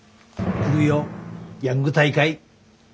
来るよヤング大会。